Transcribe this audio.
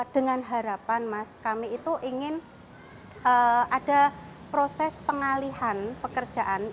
dengan harapan kami ingin ada proses pengalihan pekerjaan